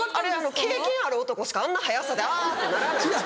経験ある男しかあんな早さで「あ」ってならない。